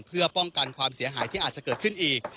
เพื่อป้องกันความเสียหายที่อาจจะเกิดขึ้นอีก